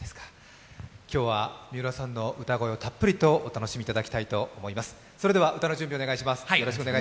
今日は三浦さんの歌声をたっぷりとお楽しみいただきたいと思います。